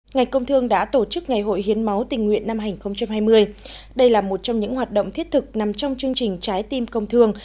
ngành công thương đã tổ chức ngày hội hiến máu tình nguyện năm hai nghìn hai mươi đây là một trong những hoạt động thiết thực nằm trong chương trình trái tim công thương